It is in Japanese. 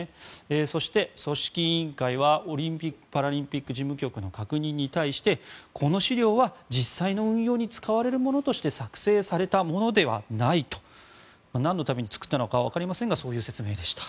そして、組織委員会はオリンピック・パラリンピック事務局の確認に対してこの資料は実際の運用に使われるものとして作成されたものではないと。なんのために作ったのかわかりませんがそういう説明でした。